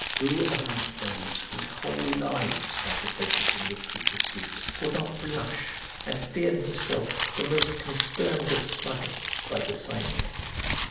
Who amongst those whose whole lives are devoted to literary pursuits would not blush and feel himself the most confirmed of sluggards by the side of him?